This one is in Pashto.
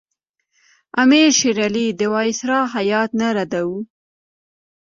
امیر شېر علي د وایسرا هیات نه رداوه.